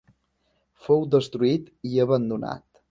Fou destruït i abandonat.